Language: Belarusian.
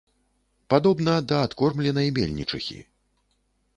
Падобна да адкормленай мельнічыхі.